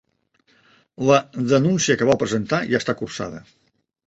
La denúncia que vau presentar ja està cursada.